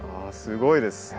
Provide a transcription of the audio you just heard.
あすごいです。